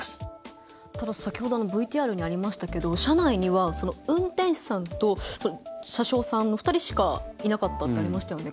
ただ、先ほどＶＴＲにありましたけど車内には運転士さんと車掌さんの２人しかいなかったってありましたよね。